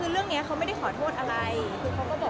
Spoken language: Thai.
เรื่องนี้มันไม่ได้ขอโทษอย่างไร